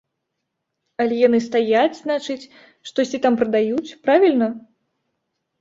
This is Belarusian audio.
Але яны стаяць, значыць, штосьці там прадаюць, правільна?